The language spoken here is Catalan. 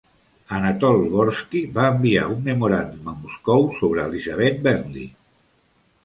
Anatoly Gorsky va enviar un memoràndum a Moscou sobre Elizabeth Bentley.